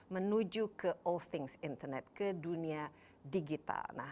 menuju ke all things internet ke dunia digital